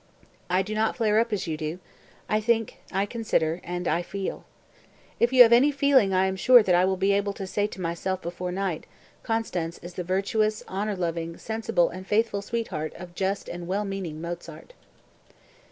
I do not flare up as you do; I think, I consider, and I feel. If you have any feeling I am sure that I will be able to say to myself before night: Constanze is the virtuous, honor loving, sensible and faithful sweetheart of just and well meaning Mozart."